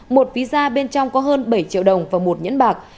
một visa bên trong có hơn bảy triệu đồng và một nhẫn bạc